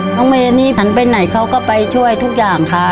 น้องเมย์นี่ฉันไปไหนเขาก็ไปช่วยทุกอย่างค่ะ